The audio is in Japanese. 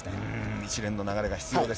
一連の流れが必要です。